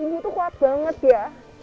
ini tuh kuat banget ya